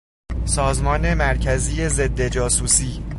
سازمان مرکزی ضدجاسوسی